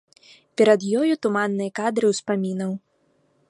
Перад ёю туманныя кадры ўспамінаў.